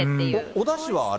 おだしはあれ？